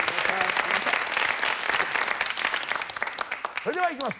それではいきます。